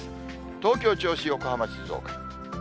東京、銚子、横浜、静岡。